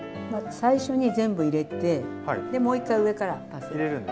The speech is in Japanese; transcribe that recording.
最初に全部入れてでもう１回上から足せば。